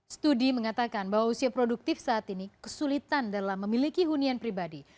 studi mengatakan bahwa usia produktif saat ini kesulitan dalam memiliki hunian pribadi